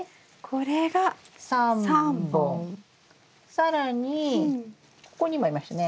更にここにもありましたね。